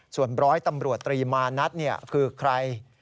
ส่วนร้อยตำรวจตรีมานัดคือใคร